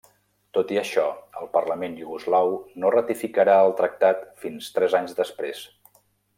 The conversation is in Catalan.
Tot i això, el Parlament iugoslau no ratificarà el tractat fins tres anys després.